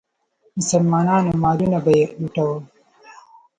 مسلمانانو مالونه به یې لوټل.